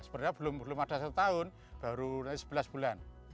sebenarnya belum ada satu tahun baru nanti sebelas bulan